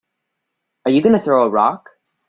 Are you gonna throw a rock?